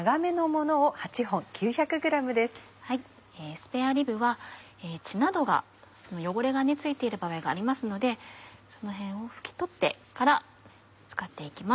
スペアリブは血などが汚れが付いている場合がありますのでそのへんを拭き取ってから使って行きます。